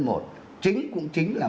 một chính cũng chính là